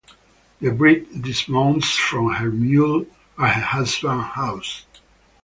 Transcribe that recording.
The bride dismounts from her mule at her husband's house.